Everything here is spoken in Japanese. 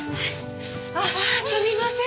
ああすみません